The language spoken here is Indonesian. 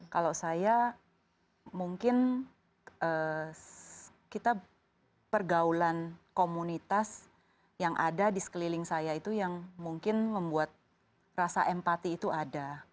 kalau saya mungkin kita pergaulan komunitas yang ada di sekeliling saya itu yang mungkin membuat rasa empati itu ada